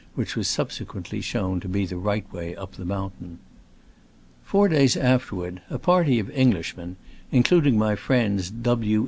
which was subsequently shown to be the right way up the mountain. Four days afterward a party of Eng lishmen (including my friends W.